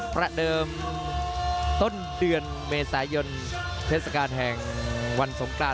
ประเดิมต้นเดือนเมษายนเทศกาลแห่งวันสงกราน